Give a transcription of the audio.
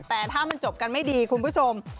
แต่ถ้ามันจบกันไม่ดีคุณผู้ชม